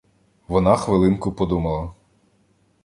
Вона хвилинку подумала.